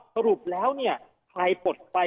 สรุปแล้วเนี่ยใครปลดไป